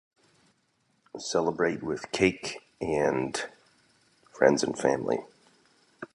...celebrate with cake and friends and family